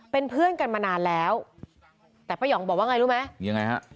เป็นเพื่อนกันมานานแล้วแต่ป้ายองบอกว่าไงรู้ไหมยังไงฮะ